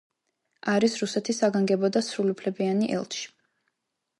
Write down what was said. არის რუსეთის საგანგებო და სრულუფლებიანი ელჩი.